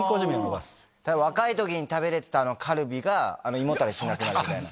若いときに食べれてたカルビが、胃もたれしなくなるみたいな？